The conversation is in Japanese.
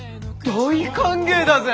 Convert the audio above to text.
大歓迎だぜ。